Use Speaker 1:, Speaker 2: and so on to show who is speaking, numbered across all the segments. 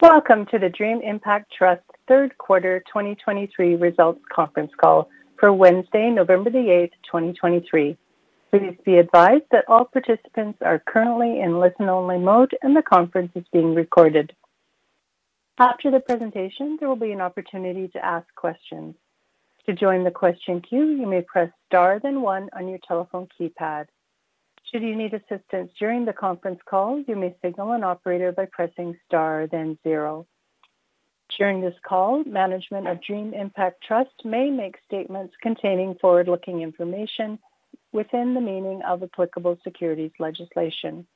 Speaker 1: Welcome to the Dream Impact Trust third quarter 2023 results conference call for Wednesday, November 8th, 2023. Please be advised that all participants are currently in listen-only mode, and the conference is being recorded. After the presentation, there will be an opportunity to ask questions. To join the question queue, you may press star, then one on your telephone keypad. Should you need assistance during the conference call, you may signal an operator by pressing star, then zero. During this call, management of Dream Impact Trust may make statements containing forward-looking information within the meaning of applicable securities legislation.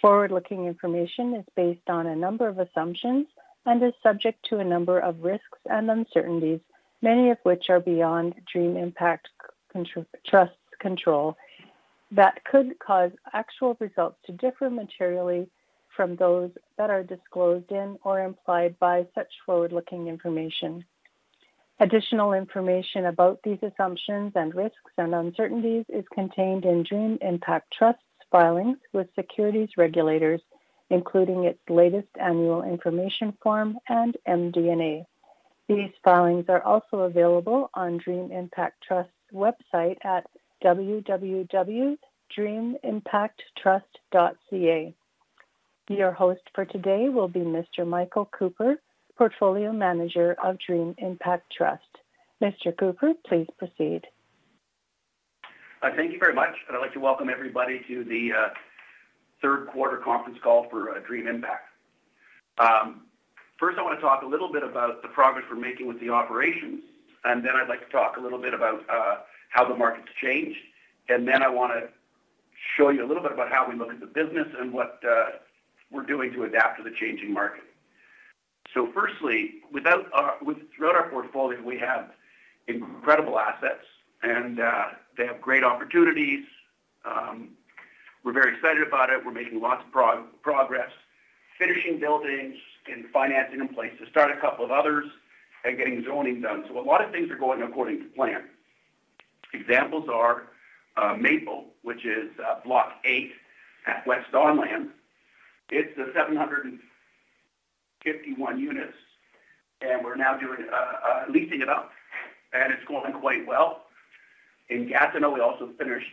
Speaker 1: Forward-looking information is based on a number of assumptions and is subject to a number of risks and uncertainties, many of which are beyond Dream Impact Trust's control, that could cause actual results to differ materially from those that are disclosed in or implied by such forward-looking information. Additional information about these assumptions and risks and uncertainties is contained in Dream Impact Trust's filings with securities regulators, including its latest annual information form and MD&A. These filings are also available on Dream Impact Trust's website at www.dreamimpacttrust.ca. Your host for today will be Mr. Michael Cooper, Portfolio Manager of Dream Impact Trust. Mr. Cooper, please proceed.
Speaker 2: Thank you very much, and I'd like to welcome everybody to the third quarter conference call for Dream Impact. First, I want to talk a little bit about the progress we're making with the operations, and then I'd like to talk a little bit about how the market's changed, and then I want to show you a little bit about how we look at the business and what we're doing to adapt to the changing market. So firstly, with throughout our portfolio, we have incredible assets, and they have great opportunities. We're very excited about it. We're making lots of progress, finishing buildings and financing in place to start a couple of others and getting zoning done. So a lot of things are going according to plan. Examples are Maple, which is Block 8 at West Don Lands. It's a 751 units, and we're now doing leasing it up, and it's going quite well. In Gatineau, we also finished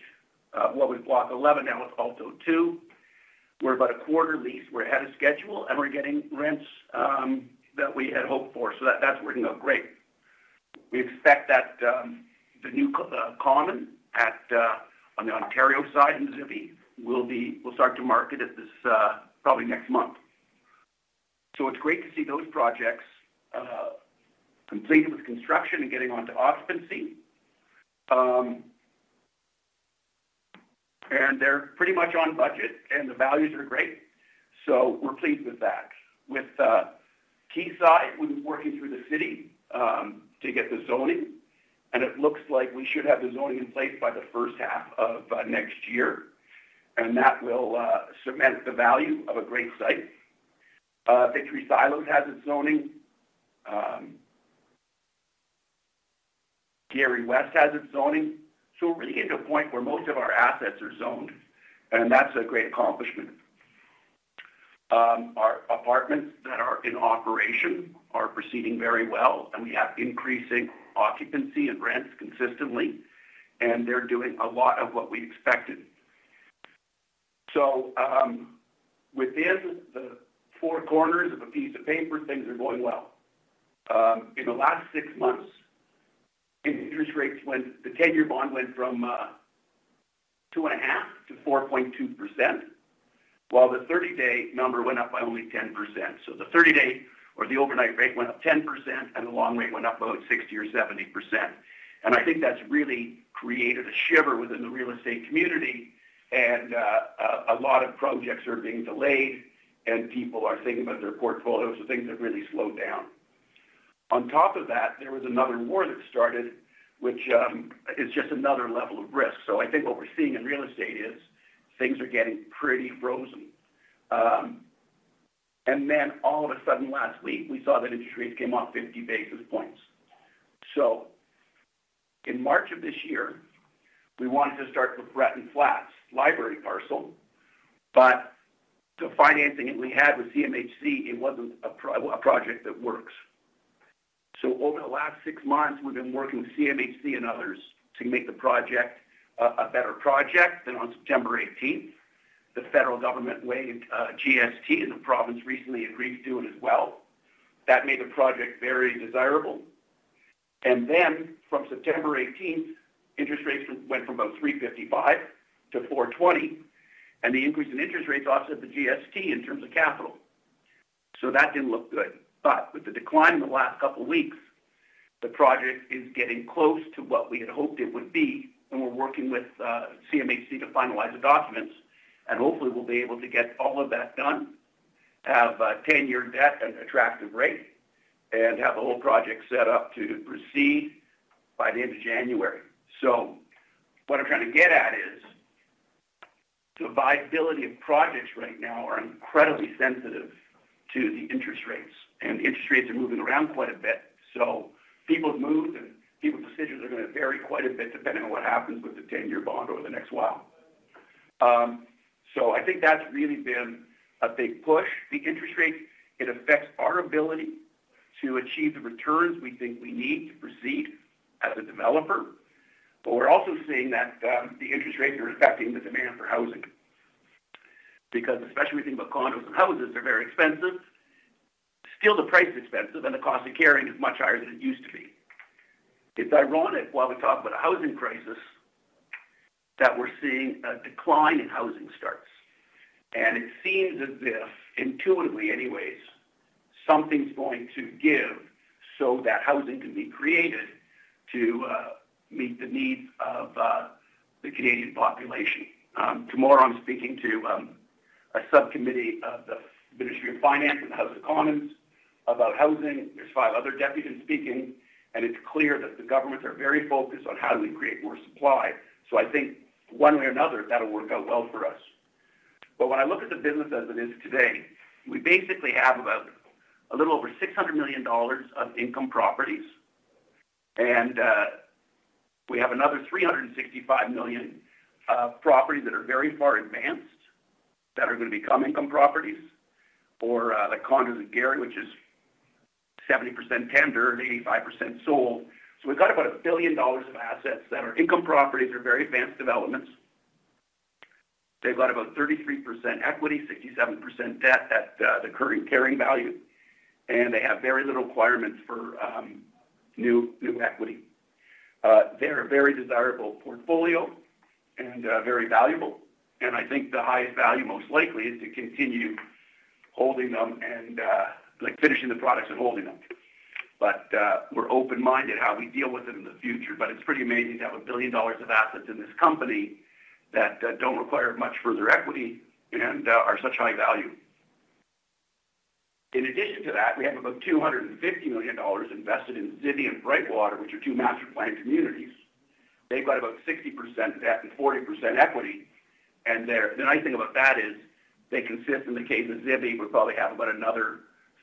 Speaker 2: what was Block 11, now it's Aalto II. We're about a quarter leased. We're ahead of schedule, and we're getting rents that we had hoped for, so that's working out great. We expect that the new Common at on the Ontario side, in Mississauga, we'll start to market it this probably next month. So it's great to see those projects completed with construction and getting on to occupancy. And they're pretty much on budget, and the values are great, so we're pleased with that. With Quayside, we were working through the city to get the zoning, and it looks like we should have the zoning in place by the first half of next year, and that will cement the value of a great site. Victory Silos has its zoning. Gary West has its zoning. So we're really getting to a point where most of our assets are zoned, and that's a great accomplishment. Our apartments that are in operation are proceeding very well, and we have increasing occupancy and rents consistently, and they're doing a lot of what we expected. So, within the four corners of a piece of paper, things are going well. In the last six months, interest rates went, the ten-year bond went from 2.5% to 4.2%, while the 30-day number went up by only 10%. So the 30-day or the overnight rate went up 10%, and the long rate went up about 60% or 70%. And I think that's really created a shiver within the real estate community and a lot of projects are being delayed, and people are thinking about their portfolios. So things have really slowed down. On top of that, there was another war that started, which is just another level of risk. So I think what we're seeing in real estate is things are getting pretty frozen. And then all of a sudden, last week, we saw that interest rates came off 50 basis points. So in March of this year, we wanted to start with LeBreton Flats Library Parcel, but the financing that we had with CMHC, it wasn't a project that works. So over the last six months, we've been working with CMHC and others to make the project a better project. Then on September 18th, the federal government waived GST, and the province recently agreed to do it as well. That made the project very desirable. And then from September 18th, interest rates went from about 3.55% to 4.20%, and the increase in interest rates offset the GST in terms of capital. So that didn't look good. But with the decline in the last couple of weeks, the project is getting close to what we had hoped it would be, and we're working with CMHC to finalize the documents, and hopefully, we'll be able to get all of that done, have a ten-year debt at an attractive rate, and have the whole project set up to proceed by the end of January. So what I'm trying to get at is, the viability of projects right now are incredibly sensitive to the interest rates, and interest rates are moving around quite a bit. So people's moods and people's decisions are going to vary quite a bit, depending on what happens with the ten-year bond over the next while. So I think that's really been a big push. The interest rates, it affects our ability to achieve the returns we think we need to proceed as a developer. But we're also seeing that, the interest rates are affecting the demand for housing. Because especially when you think about condos and houses, they're very expensive. Still, the price is expensive, and the cost of carrying is much higher than it used to be. It's ironic, while we talk about a housing crisis, that we're seeing a decline in housing starts, and it seems as if, intuitively anyways, something's going to give so that housing can be created to, meet the needs of, the Canadian population. Tomorrow, I'm speaking to, a subcommittee of the Ministry of Finance in the House of Commons about housing. There's five other deputies speaking, and it's clear that the governments are very focused on how do we create more supply? So I think one way or another, that'll work out well for us. But when I look at the business as it is today, we basically have about a little over 600 million dollars of income properties, and we have another 365 million properties that are very far advanced, that are going to become income properties, or like condos in Canary, which is 70% tender and 85% sold. So we've got about 1 billion dollars of assets that are income properties or very advanced developments. They've got about 33% equity, 67% debt at the current carrying value, and they have very little requirements for new, new equity. They're a very desirable portfolio and very valuable, and I think the highest value most likely is to continue holding them and, like, finishing the products and holding them. But we're open-minded how we deal with them in the future, but it's pretty amazing to have 1 billion dollars of assets in this company that don't require much further equity and are such high value. In addition to that, we have about 250 million dollars invested in Zibi and Brightwater, which are two master-planned communities. They've got about 60% debt and 40% equity, and the nice thing about that is they consist, in the case of Zibi, we probably have about another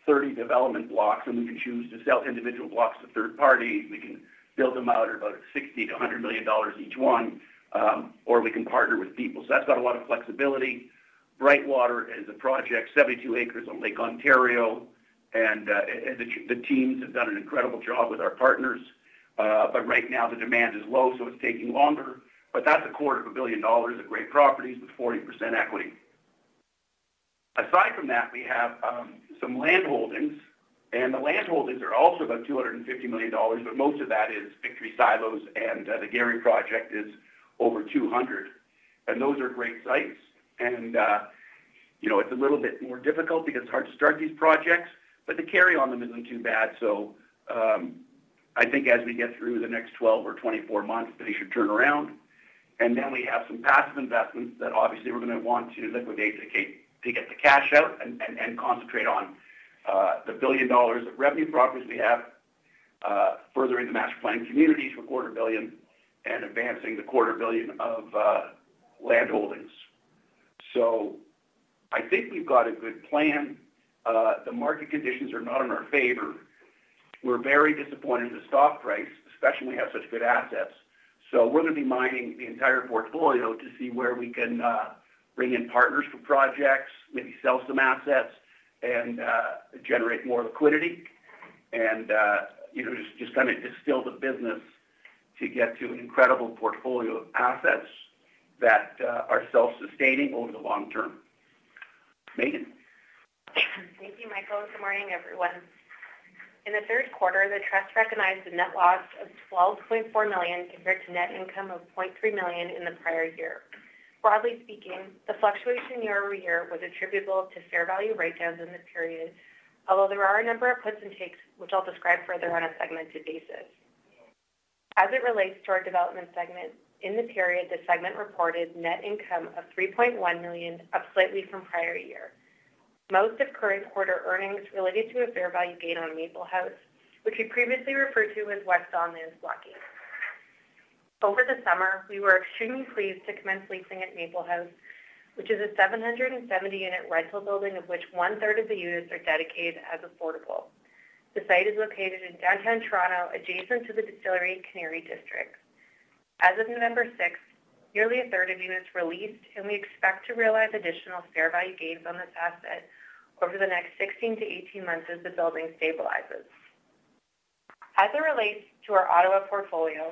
Speaker 2: 30 development blocks, and we can choose to sell individual blocks to third parties. We can build them out at about 60 million-100 million dollars each one, or we can partner with people. So that's got a lot of flexibility. Brightwater is a project, 72 acres on Lake Ontario, and the teams have done an incredible job with our partners. But right now, the demand is low, so it's taking longer, but that's 250 million dollars of great properties with 40% equity. Aside from that, we have some land holdings, and the land holdings are also about 250 million dollars, but most of that is Victory Silos, and the Gary project is over 200 million, and those are great sites. You know, it's a little bit more difficult because it's hard to start these projects, but the carry on them isn't too bad. So, I think as we get through the next 12 or 24 months, they should turn around. Then we have some passive investments that obviously we're going to want to liquidate to get the cash out and concentrate on the 1 billion dollars of revenue properties we have, furthering the master-planned communities for 250 million and advancing the 250 million of land holdings. I think we've got a good plan. The market conditions are not in our favor. We're very disappointed in the stock price, especially when we have such good assets. So we're going to be mining the entire portfolio to see where we can bring in partners for projects, maybe sell some assets, and generate more liquidity. You know, just kind of distill the business to get to an incredible portfolio of assets that are self-sustaining over the long term. Meaghan?
Speaker 3: Thank you, Michael, and good morning, everyone. In the third quarter, the trust recognized a net loss of 12.4 million, compared to net income of 0.3 million in the prior year. Broadly speaking, the fluctuation year-over-year was attributable to fair value write-downs in this period, although there are a number of puts and takes, which I'll describe further on a segmented basis. As it relates to our development segment, in the period, the segment reported net income of 3.1 million, up slightly from prior year. Most of current quarter earnings related to a fair value gain on Maple House, which we previously referred to as West Don Lands Block 8. Over the summer, we were extremely pleased to commence leasing at Maple House, which is a 770-unit rental building, of which one-third of the units are dedicated as affordable. The site is located in downtown Toronto, adjacent to the Distillery District, Canary District. As of November 6, nearly a third of units were leased, and we expect to realize additional fair value gains on this asset over the next 16-18 months as the building stabilizes. As it relates to our Ottawa portfolio,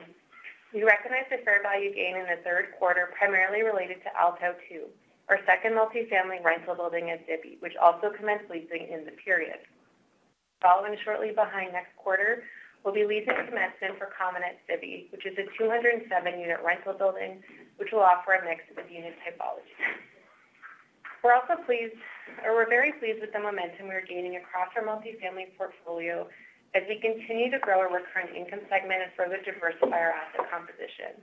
Speaker 3: we recognize the fair value gain in the third quarter, primarily related to Aalto II, our second multifamily rental building at Zibi, which also commenced leasing in the period. Following shortly behind next quarter, we'll be leasing commencement for Common at Zibi, which is a 207-unit rental building, which will offer a mix of unit typologies. We're also pleased, or we're very pleased with the momentum we're gaining across our multifamily portfolio as we continue to grow our recurring income segment and further diversify our asset composition.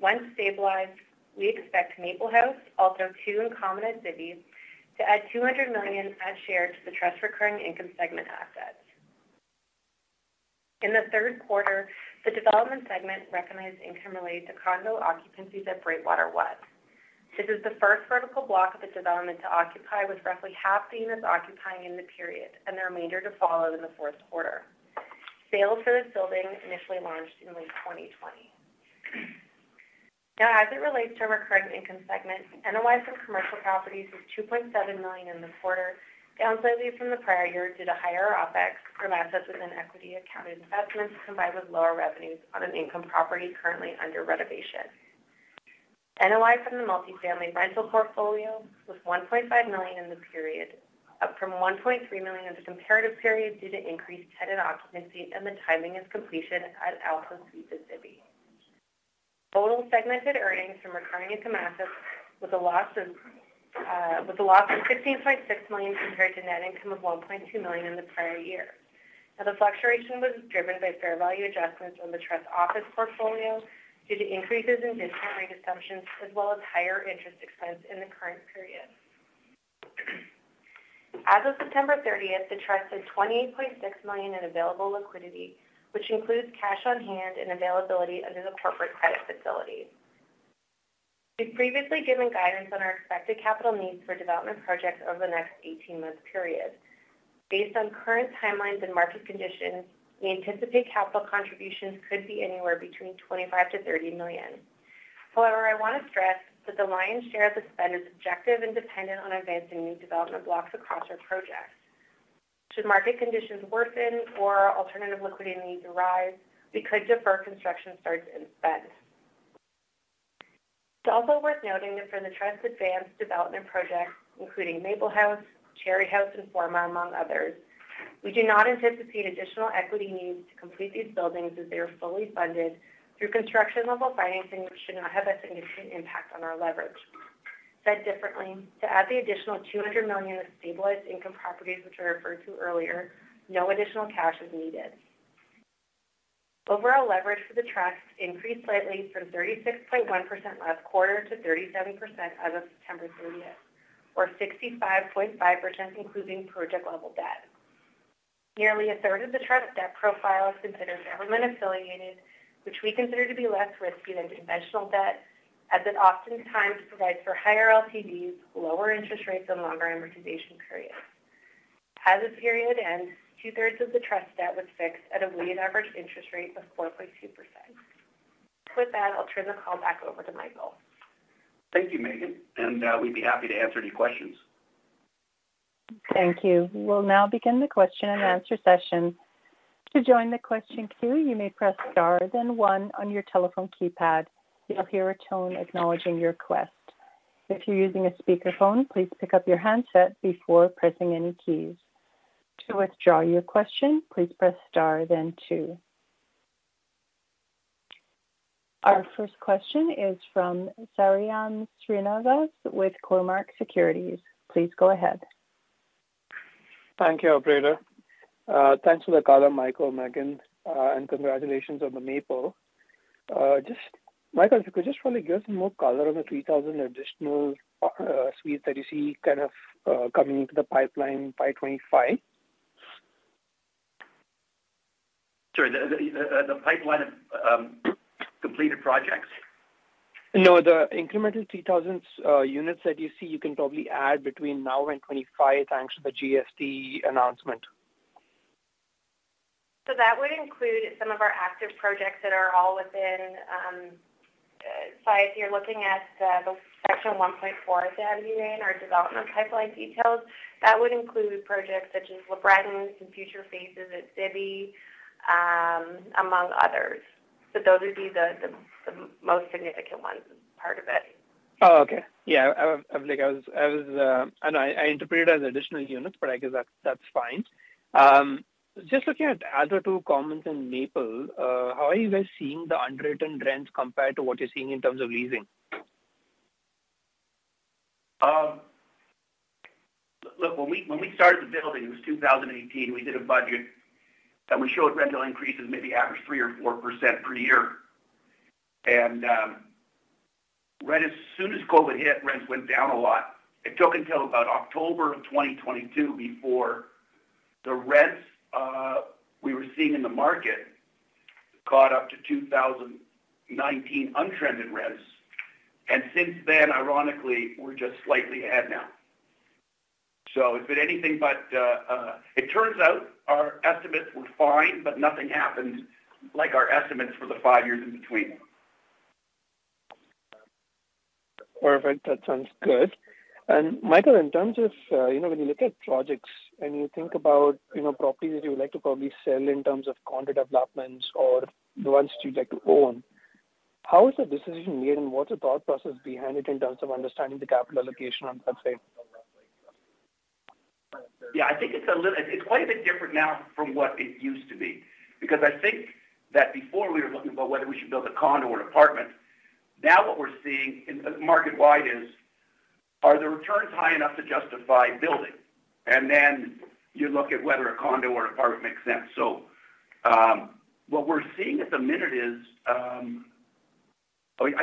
Speaker 3: Once stabilized, we expect Maple House, Aalto II, and Common at Zibi to add 200 million at share to the trust recurring income segment assets. In the third quarter, the development segment recognized income related to condo occupancies at Brightwater West. This is the first vertical block of the development to occupy, with roughly half the units occupying in the period and the remainder to follow in the fourth quarter. Sales for this building initially launched in late 2020. Now, as it relates to our recurring income segment, NOI from commercial properties was 2.7 million in the quarter, down slightly from the prior year due to higher OpEx from assets within equity accounted investments, combined with lower revenues on an income property currently under renovation. NOI from the multifamily rental portfolio was 1.5 million in the period, up from 1.3 million in the comparative period, due to increased tenant occupancy and the timing and completion at Aalto Suites at Zibi. Total segmented earnings from recurring income assets was a loss of 16.6 million, compared to net income of 1.2 million in the prior year. Now, the fluctuation was driven by fair value adjustments on the trust office portfolio due to increases in discount rate assumptions, as well as higher interest expense in the current period. As of September 30th, the trust had 28.6 million in available liquidity, which includes cash on hand and availability under the corporate credit facility. We've previously given guidance on our expected capital needs for development projects over the next 18-month period. Based on current timelines and market conditions, we anticipate capital contributions could be anywhere between 25 million-30 million. However, I want to stress that the lion's share of the spend is objective and dependent on advancing new development blocks across our projects. Should market conditions worsen or alternative liquidity needs arise, we could defer construction starts and spend. It's also worth noting that for the trust's advanced development projects, including Maple House, Cherry House, and Forma, among others, we do not anticipate additional equity needs to complete these buildings, as they are fully funded through construction-level financing, which should not have a significant impact on our leverage. Said differently, to add the additional 200 million of stabilized income properties, which I referred to earlier, no additional cash is needed. Overall leverage for the trust increased slightly from 36.1% last quarter to 37% as of September 30th, or 65.5%, including project level debt. Nearly a third of the trust debt profile is considered government affiliated, which we consider to be less risky than conventional debt, as it oftentimes provides for higher LTVs, lower interest rates, and longer amortization periods. As this period ends, two-thirds of the trust debt was fixed at a weighted average interest rate of 4.2%. With that, I'll turn the call back over to Michael.
Speaker 2: Thank you, Meaghan, and we'd be happy to answer any questions.
Speaker 1: Thank you. We'll now begin the question-and-answer session. To join the question queue, you may press star then one on your telephone keypad. You'll hear a tone acknowledging your request. If you're using a speakerphone, please pick up your handset before pressing any keys. To withdraw your question, please press star then two. Our first question is from Sairam Srinivas with Cormark Securities. Please go ahead.
Speaker 4: Thank you, operator. Thanks for the color, Michael and Meaghan, and congratulations on the Maple. Just, Michael, if you could just probably give some more color on the 3,000 additional suites that you see kind of coming into the pipeline by 2025.
Speaker 2: Sorry, the pipeline of completed projects?
Speaker 4: No, the incremental 3,000 units that you see, you can probably add between now and 2025, thanks to the GST announcement.
Speaker 3: So that would include some of our active projects that are all within, so if you're looking at the section 1.4 of the MD&A, our development pipeline details, that would include projects such as LeBreton, some future phases at Zibi, among others. But those would be the most significant ones, part of it.
Speaker 4: Oh, okay. Yeah, I was. I know I interpreted it as additional units, but I guess that's fine. Just looking at Aalto, Common and Maple, how are you guys seeing the unwritten rents compared to what you're seeing in terms of leasing?
Speaker 2: Look, when we, when we started the building, it was 2018, we did a budget that would show rental increases, maybe average 3% or 4% per year. And right as soon as COVID hit, rents went down a lot. It took until about October of 2022 before the rents we were seeing in the market caught up to 2019 untrended rents, and since then, ironically, we're just slightly ahead now. So it's been anything but, it turns out our estimates were fine, but nothing happened like our estimates for the five years in between.
Speaker 4: Perfect. That sounds good. And Michael, in terms of, you know, when you look at projects and you think about, you know, properties that you would like to probably sell in terms of condo developments or the ones that you'd like to own, how is the decision here and what's the thought process behind it in terms of understanding the capital allocation on that side?
Speaker 2: Yeah, I think it's a little—it's quite a bit different now from what it used to be, because I think that before we were looking about whether we should build a condo or an apartment. Now what we're seeing market-wide is, are the returns high enough to justify building? And then you look at whether a condo or an apartment makes sense. So, what we're seeing at the minute is, I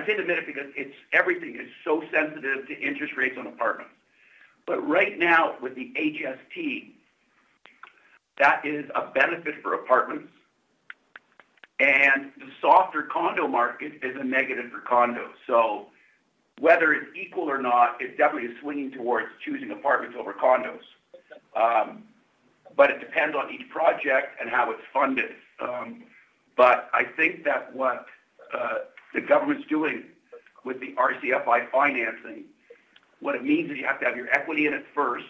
Speaker 2: say the minute because it's—everything is so sensitive to interest rates on apartments. But right now, with the HST, that is a benefit for apartments. And the softer condo market is a negative for condos. So whether it's equal or not, it definitely is swinging towards choosing apartments over condos. But it depends on each project and how it's funded. But I think that what the government's doing with the RCFI financing, what it means is you have to have your equity in it first,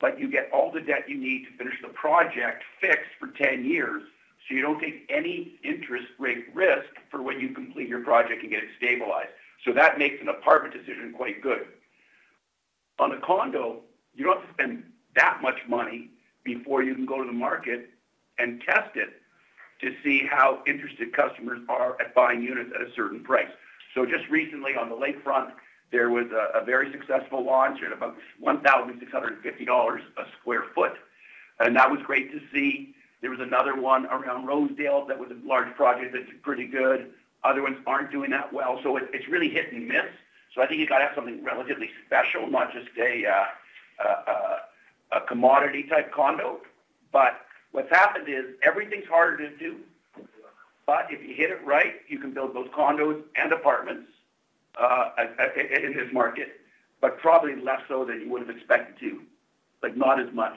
Speaker 2: but you get all the debt you need to finish the project fixed for 10 years, so you don't take any interest rate risk for when you complete your project and get it stabilized. So that makes an apartment decision quite good. On a condo, you don't have to spend that much money before you can go to the market and test it to see how interested customers are at buying units at a certain price. So just recently on the lakefront, there was a very successful launch at about 1,650 dollars a sq ft, and that was great to see. There was another one around Rosedale that was a large project that did pretty good. Other ones aren't doing that well, so it's, it's really hit and miss. So I think you got to have something relatively special, not just a, a, a commodity-type condo. But what's happened is everything's harder to do, but if you hit it right, you can build both condos and apartments, at, in this market, but probably less so than you would have expected to, but not as much.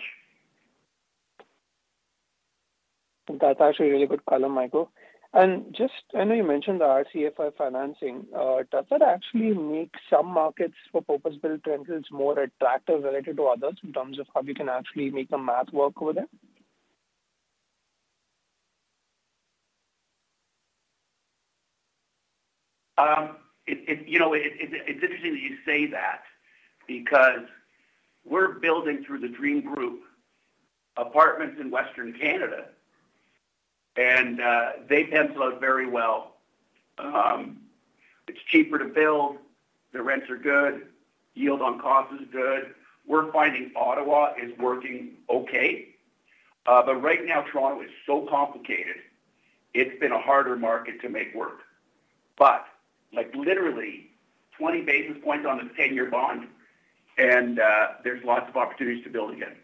Speaker 4: That's actually a really good color, Michael. And just I know you mentioned the RCFI financing. Does that actually make some markets for purpose-built rentals more attractive related to others in terms of how you can actually make the math work over there?
Speaker 2: You know, it's interesting that you say that because we're building through the Dream Group apartments in Western Canada, and they pencil out very well. It's cheaper to build, the rents are good, yield on cost is good. We're finding Ottawa is working okay. But right now, Toronto is so complicated. It's been a harder market to make work. But like literally 20 basis points on the 10-year bond, and there's lots of opportunities to build again.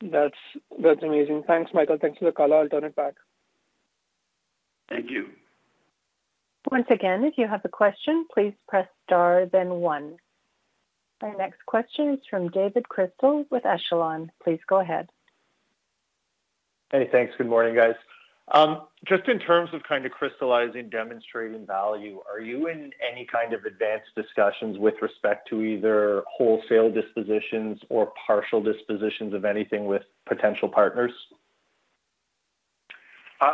Speaker 4: That's, that's amazing. Thanks, Michael. Thanks for the color. I'll turn it back.
Speaker 2: Thank you.
Speaker 1: Once again, if you have a question, please press star, then one. Our next question is from David Chrystal with Echelon. Please go ahead.
Speaker 5: Hey, thanks. Good morning, guys. Just in terms of kind of crystallizing, demonstrating value, are you in any kind of advanced discussions with respect to either wholesale dispositions or partial dispositions of anything with potential partners?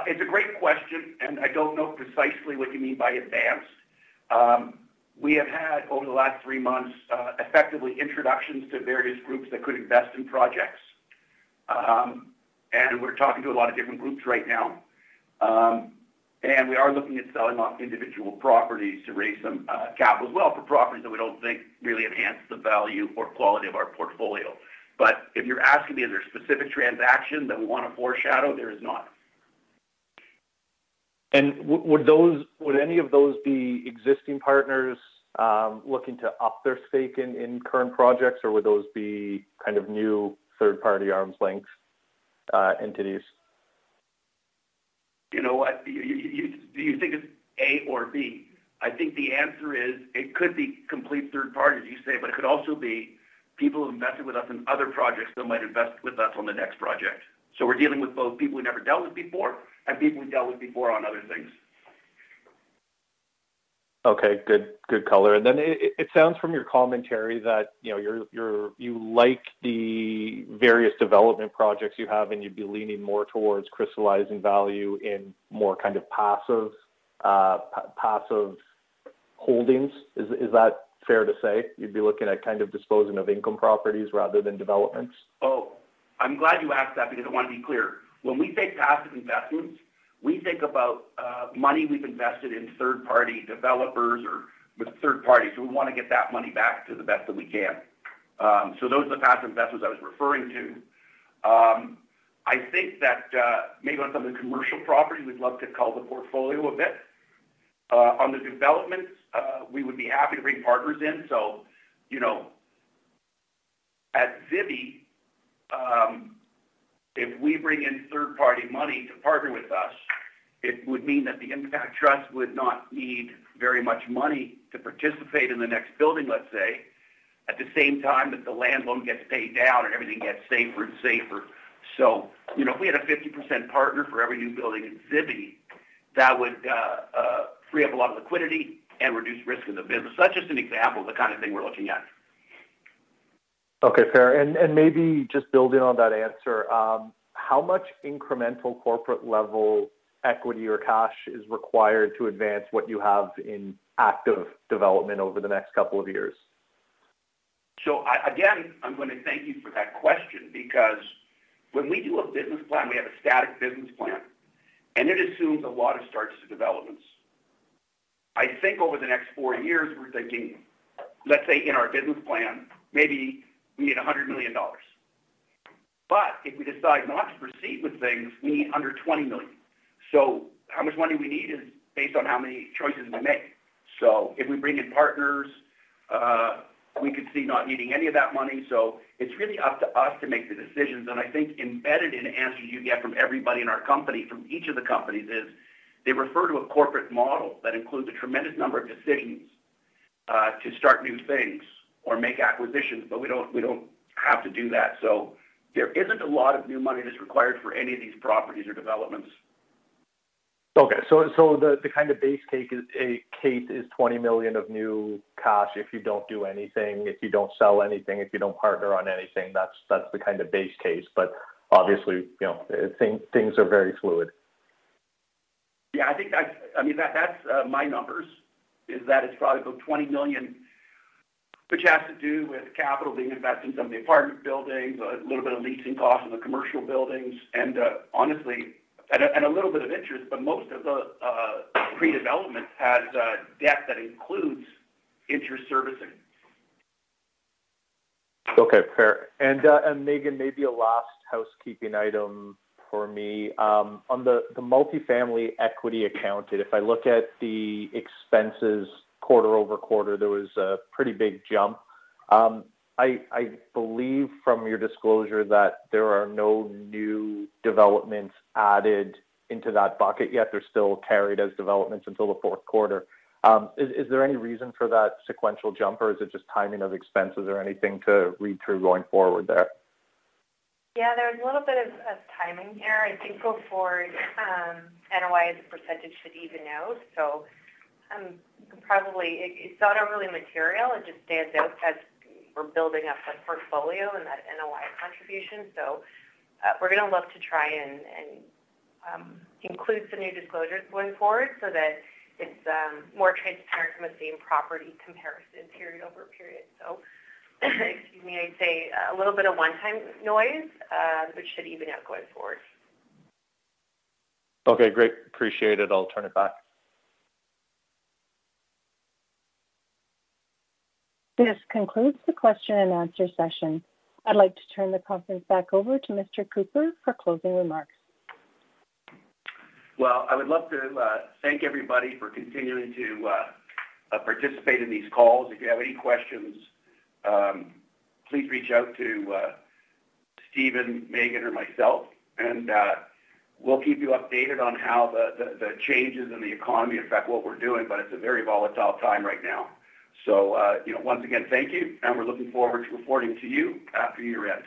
Speaker 2: It's a great question, and I don't know precisely what you mean by advanced. We have had, over the last three months, effectively introductions to various groups that could invest in projects. And we're talking to a lot of different groups right now. And we are looking at selling off individual properties to raise some capital as well, for properties that we don't think really enhance the value or quality of our portfolio. But if you're asking me, is there a specific transaction that we want to foreshadow? There is not.
Speaker 5: Would those be existing partners looking to up their stake in current projects, or would those be kind of new third-party arm's length entities?
Speaker 2: You know what? Do you think it's A or B? I think the answer is it could be complete third party, as you say, but it could also be people who invested with us in other projects that might invest with us on the next project. So we're dealing with both people we never dealt with before and people we dealt with before on other things.
Speaker 5: Okay, good. Good color. And then it sounds from your commentary that, you know, you're, you're, you like the various development projects you have, and you'd be leaning more towards crystallizing value in more kind of passive, passive holdings. Is, is that fair to say? You'd be looking at kind of disposing of income properties rather than developments?
Speaker 2: Oh, I'm glad you asked that because I want to be clear. When we say passive investments, we think about money we've invested in third-party developers or with third parties, so we want to get that money back to the best that we can. So those are the passive investments I was referring to. I think that maybe on some of the commercial property, we'd love to cull the portfolio a bit. On the developments, we would be happy to bring partners in. So, you know, at Zibi, if we bring in third-party money to partner with us, it would mean that the Impact Trust would not need very much money to participate in the next building, let's say, at the same time that the land loan gets paid down and everything gets safer and safer. You know, if we had a 50% partner for every new building in Zibi, that would free up a lot of liquidity and reduce risk in the business. That's just an example of the kind of thing we're looking at.
Speaker 5: Okay, fair. And, maybe just building on that answer, how much incremental corporate-level equity or cash is required to advance what you have in active development over the next couple of years?
Speaker 2: So again, I'm going to thank you for that question, because when we do a business plan, we have a static business plan, and it assumes a lot of starts to developments. I think over the next 4 years, we're thinking, let's say in our business plan, maybe we need 100 million dollars, but if we decide not to proceed with things, we need under 20 million. So how much money we need is based on how many choices we make. So if we bring in partners, we could see not needing any of that money. So it's really up to us to make the decisions. I think embedded in the answers you get from everybody in our company, from each of the companies, is they refer to a corporate model that includes a tremendous number of decisions to start new things or make acquisitions, but we don't, we don't have to do that. So there isn't a lot of new money that's required for any of these properties or developments.
Speaker 5: Okay. So the kind of base case is 20 million of new cash if you don't do anything, if you don't sell anything, if you don't partner on anything, that's the kind of base case. But obviously, you know, things are very fluid.
Speaker 2: Yeah, I think that, I mean, that's my numbers, is that it's probably about 20 million, which has to do with capital being invested in some of the apartment buildings, a little bit of leasing costs in the commercial buildings, and honestly, a little bit of interest, but most of the pre-development has debt that includes inter-servicing.
Speaker 5: Okay, fair. And, and Meaghan, maybe a last housekeeping item for me. On the multifamily equity accounted, if I look at the expenses quarter-over-quarter, there was a pretty big jump. I believe from your disclosure that there are no new developments added into that bucket yet. They're still carried as developments until the fourth quarter. Is there any reason for that sequential jump, or is it just timing of expenses or anything to read through going forward there?
Speaker 3: Yeah, there's a little bit of timing here. I think going forward, NOI as a percentage should even out. So, probably it's not overly material. It just stands out as we're building up the portfolio and that NOI contribution. So, we're going to look to try and include some new disclosures going forward so that it's more transparent from a same-property comparison period-over-period. So, excuse me, I'd say a little bit of one-time noise, which should even out going forward.
Speaker 5: Okay, great. Appreciate it. I'll turn it back.
Speaker 1: This concludes the question-and-answer session. I'd like to turn the conference back over to Mr. Cooper for closing remarks.
Speaker 2: Well, I would love to thank everybody for continuing to participate in these calls. If you have any questions, please reach out to Steven, Meaghan, or myself, and we'll keep you updated on how the changes in the economy affect what we're doing, but it's a very volatile time right now. So, you know, once again, thank you, and we're looking forward to reporting to you after year-end.